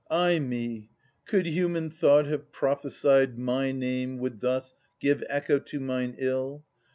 Ay me ! Could human thought have prophesied My name would thus give echo to mine ill